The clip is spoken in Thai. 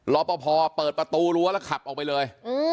รอปภเปิดประตูรั้วแล้วขับออกไปเลย